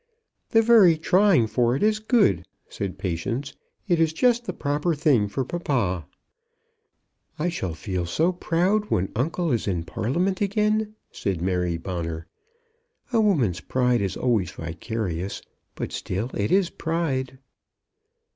"The very trying for it is good," said Patience. "It is just the proper thing for papa." "I shall feel so proud when uncle is in Parliament again," said Mary Bonner. "A woman's pride is always vicarious; but still it is pride."